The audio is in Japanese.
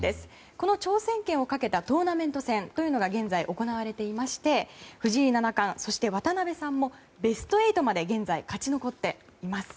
この挑戦権をかけたトーナメント戦が現在、行われていまして藤井七冠、そして渡辺さんもベスト８まで現在、勝ち残っています。